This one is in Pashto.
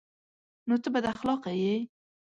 _نو ته بد اخلاقه يې؟